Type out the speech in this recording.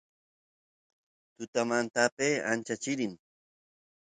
tutamantapi ancha chirin